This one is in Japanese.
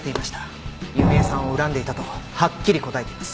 弓江さんを恨んでいたとはっきり答えています。